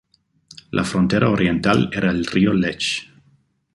La frontera oriental era el río Lech.